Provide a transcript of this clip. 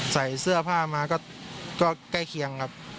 ใส่เสื้อผ้ามาก็ใกล้เคียงครับ